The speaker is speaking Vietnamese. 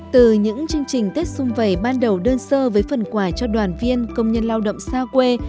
từ những chương trình tết xung vầy ban đầu đơn sơ với phần quà cho đoàn viên công nhân lao động xa quê